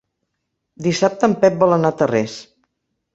Dissabte en Pep vol anar a Tarrés.